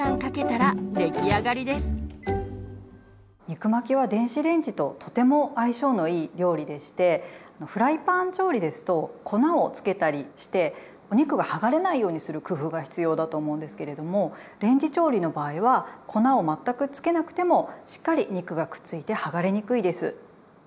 肉巻きは電子レンジととても相性のいい料理でしてフライパン調理ですと粉をつけたりしてお肉が剥がれないようにする工夫が必要だと思うんですけれどもレンジ調理の場合は粉を全くつけなくてもしっかり肉がくっついて剥がれにくいです。